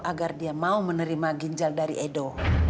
agar dia mau menerima ginjal dari edo